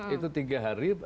itu tiga hari